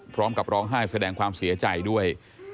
พร้อมกับร้องไห้แสดงความเสียใจด้วย